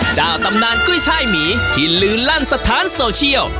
เจ้าตำนานกุ้ยช่ายหมีที่ลืนลั่นสถานโซเชียล